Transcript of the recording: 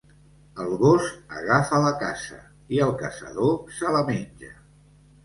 El gos agafa la caça i el caçador se la menja.